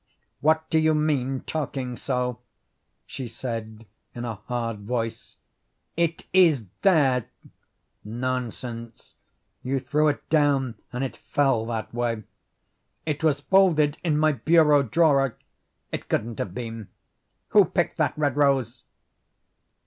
"What do you mean talking so?" she said in a hard voice. "It IS THERE." "Nonsense. You threw it down and it fell that way." "It was folded in my bureau drawer." "It couldn't have been." "Who picked that red rose?"